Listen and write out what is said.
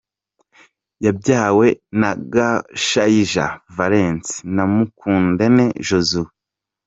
Yabyawe na Gashayija Valens na Mukundente Josee.